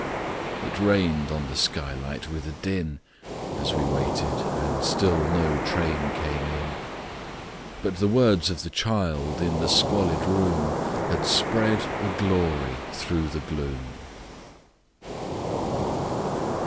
It rained on the skylight with a din As we waited and still no train came in; But the words of the child in the squalid room Had spread a glory through the gloom.